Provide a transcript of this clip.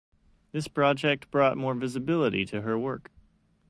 This project brought more visibility to her work.